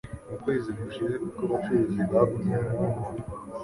mu kwezi gushize kuko abacuruzi bagumye mu ngo.